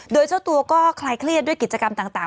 โดยเจ้าตัวก็คลายเครียดด้วยกิจกรรมต่าง